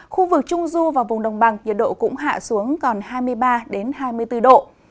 khu vực trung du và vùng đồng bằng nhiệt độ cũng hạ xuống còn hai mươi ba hai mươi bốn độ